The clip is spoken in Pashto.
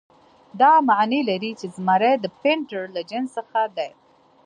دا معنی لري چې زمری د پینتر له جنس څخه دی.